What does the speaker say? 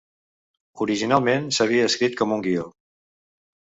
Originalment s'havia escrit com un guió.